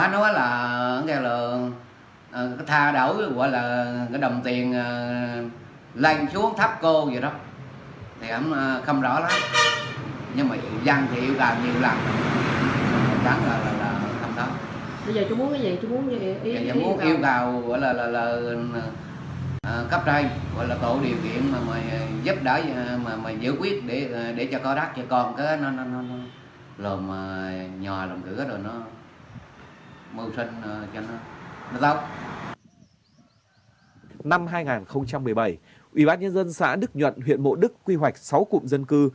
năm hai nghìn một mươi bảy ủy ban nhân dân xã đức nhuận huyện mộ đức quy hoạch sáu cụm dân cư